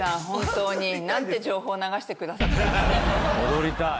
・踊りたい。